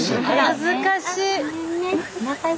恥ずかしい。